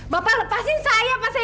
bapak lepasin saya pak